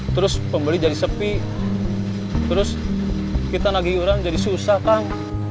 terus pembeli jadi sepi terus kita lagi iuran jadi susah kang